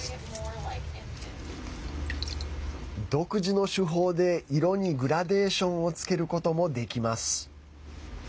独自の手法で色にグラデーションをつけることもできます。